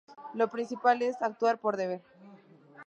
Lo principal es actuar por deber.